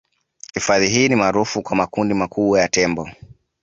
Hifadhi hii ni maarufu kwa makundi makubwa ya tembo